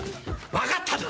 分かったぞ！